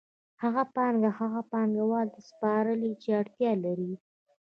هغوی پانګه هغو پانګوالو ته سپاري چې اړتیا لري